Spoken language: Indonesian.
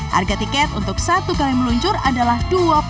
harga tiket untuk satu kali meluncur adalah rp dua puluh